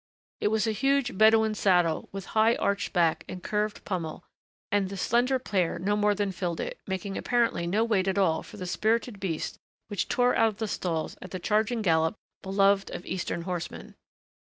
It was a huge Bedouin saddle with high arched back and curved pummel and the slender pair no more than filled it, making apparently no weight at all for the spirited beast which tore out of the stalls at the charging gallop beloved of Eastern horsemen.